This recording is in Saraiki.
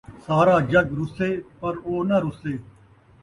سارا جڳ رُسّے ، پر او ناں رُسّے